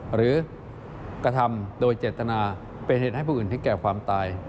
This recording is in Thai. หรือกระทำโดยเจตนาเป็นเหตุให้ผู้อื่นถึงแก่ความตาย